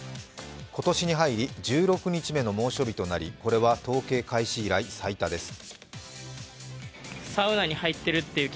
今年に入り１６日目の猛暑日となり、これは統計開始以来最多です。